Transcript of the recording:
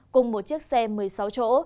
cùng một chiếc xe một mươi sáu chỗ